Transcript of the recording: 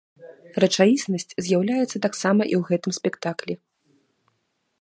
Рэчаіснасць з'яўляецца таксама і ў гэтым спектаклі.